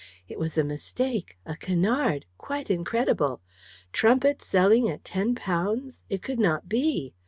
It was a mistake a canard quite incredible. Trumpits selling at £10 it could not be!